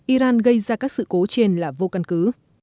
iran gây ra các sự cố trên là vô căn cứ